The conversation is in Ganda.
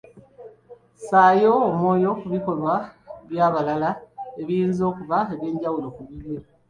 Ssaayo omwoyo ku bikolwa by'abalala ebiyinza okuba eby'enjawulo ku bibyo .